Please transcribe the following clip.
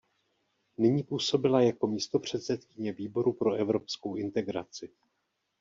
Nyní působila jako místopředsedkyně výboru pro evropskou integraci.